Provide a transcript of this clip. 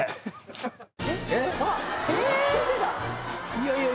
いやいや